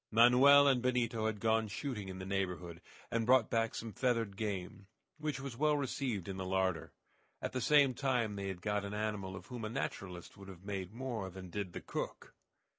Manoel and Benito had gone shooting in the neighborhood, and brought back some feathered game, which was well received in the larder. At the same time they had got an animal of whom a naturalist would have made more than did the cook.